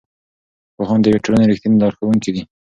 پوهان د یوې ټولنې رښتیني لارښوونکي دي.